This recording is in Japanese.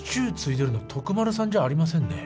いでるの徳丸さんじゃありませんね。